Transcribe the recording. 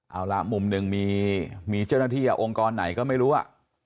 เอาละมุมหนึ่งมีเจ้าหน้าที่องค์กรไหนก็ไม่รู้อ่ะ